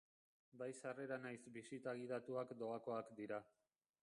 Bai sarrera nahiz bisita gidatuak doakoak dira.